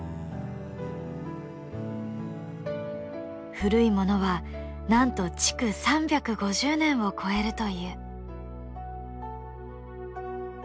古いものはなんと築３５０年を超えるという。